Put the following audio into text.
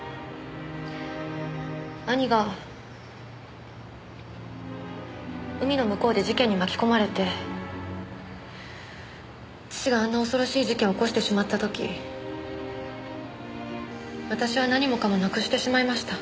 兄が海の向こうで事件に巻き込まれて父があんな恐ろしい事件を起こしてしまった時私は何もかもなくしてしまいました。